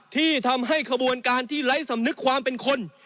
ที่ทำให้ขบวนการที่ไร้สำนึกความเป็นคน